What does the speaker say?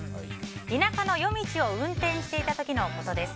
田舎の夜道を運転していた時のことです。